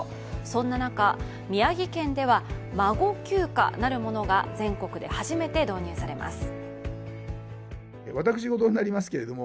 そんな中、宮城県では孫休暇なるものが全国で初めて導入されます。